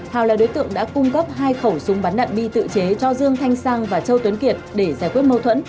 hào là đối tượng đã cung cấp hai khẩu súng bắn đạn bi tự chế cho dương thanh sang và châu tuấn kiệt để giải quyết mâu thuẫn